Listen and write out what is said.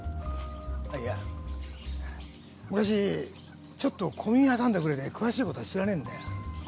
いや昔ちょっと小耳に挟んだぐらいで詳しいことは知らねえんだよ。